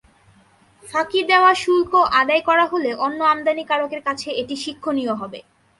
ফাঁকি দেওয়া শুল্ক আদায় করা হলে অন্য আমদানিকারকের কাছে এটি শিক্ষণীয় হবে।